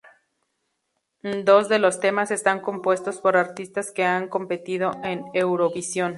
Dos de los temas están compuestos por artistas que han competido en Eurovisión.